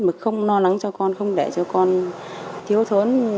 mà không lo lắng cho con không để cho con thiếu thốn